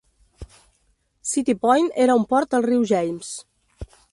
City Point era un port al riu James.